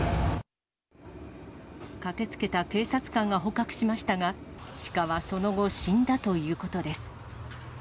駆けつけた警察官が捕獲しましたが、シカはその後、死んだということです。